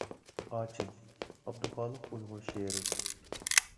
«ئاچىل» — ئابدۇخالىق ئۇيغۇر شېئىرى.